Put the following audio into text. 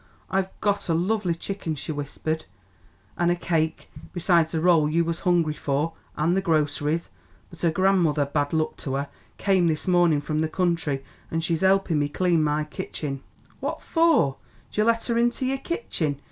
"I've got a lovely chicken," she whispered, "an' a cake, besides the rolls you was hungry for, an' the groceries; but her gran'mother, bad luck to her, come this mornin' from the country, an' she's helpin' me clean my kitchen." "Phwat for 'd you let her into your kitchen?"